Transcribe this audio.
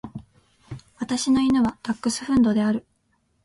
私の犬はダックスフンドである。